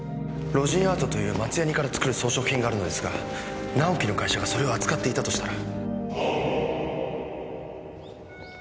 ロジンアートという松ヤニから作る装飾品があるのですが直樹の会社がそれを扱っていたとしたら。